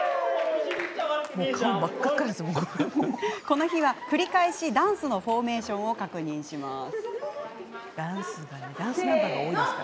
この日は、繰り返しダンスのフォーメーションを確認します。